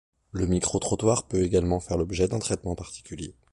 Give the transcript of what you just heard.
Le micro-trottoir peut également faire l'objet d'un traitement particulier.